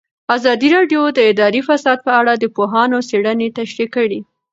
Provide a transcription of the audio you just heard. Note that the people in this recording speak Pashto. ازادي راډیو د اداري فساد په اړه د پوهانو څېړنې تشریح کړې.